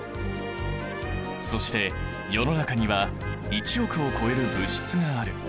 そして世の中には１億を超える物質がある。